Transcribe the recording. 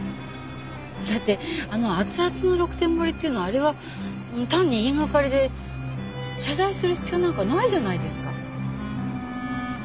だってあの熱々の６点盛りっていうのはあれは単に言いがかりで謝罪する必要なんかないじゃないですか。